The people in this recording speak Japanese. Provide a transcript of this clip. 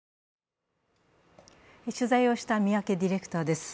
取材をした三宅ディレクターです。